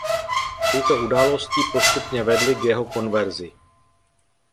Tyto události postupně vedly k jeho konverzi.